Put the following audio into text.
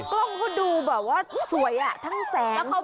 กล้องเขาดูแบบว่าสวยทั้งแสง